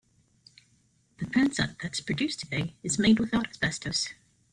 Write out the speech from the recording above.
The transite that is produced today is made without asbestos.